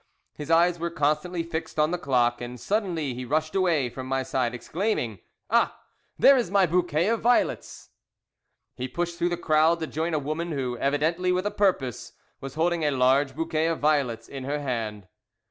His eyes were constantly fixed on the clock, and suddenly he rushed away from my side, exclaiming: "Ah, there is my bouquet of violets." He pushed through the crowd to join a woman who, evidently with a purpose, was holding a large bouquet of violets in her hand.